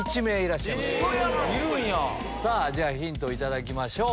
じゃあヒントを頂きましょう。